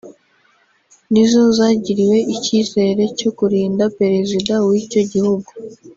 ni zo zagiriwe icyizere cyo kurinda Perezida w’icyo gihugu